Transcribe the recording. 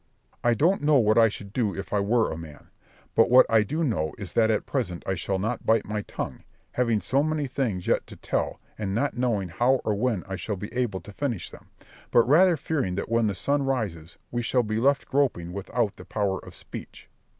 Berg. I don't know what I should do if I were a man; but what I do know is that at present I shall not bite my tongue, having so many things yet to tell, and not knowing how or when I shall be able to finish them; but rather fearing that when the sun rises we shall be left groping without the power of speech.